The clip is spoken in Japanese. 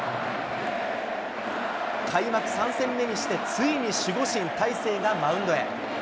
開幕３戦目にして、ついに守護神、大勢がマウンドへ。